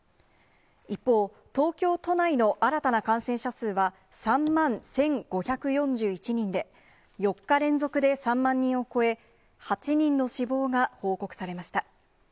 一方、東京都内の新たな感染者数は３万１５４１人で、４日連続で３万人を超え、８人の死亡が報告されました。